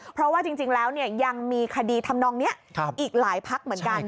เพราะว่าจริงแล้วยังมีคดีทำนองนี้อีกหลายพักเหมือนกัน